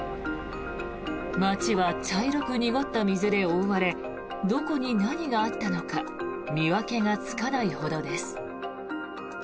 街は茶色く濁った水で覆われどこに何があったのか見分けがつかないほどです。